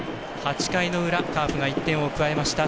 ８回の裏、カープが１点を加えました。